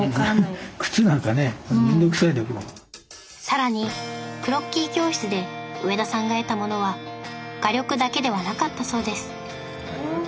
更にクロッキー教室で上田さんが得たものは画力だけではなかったそうです。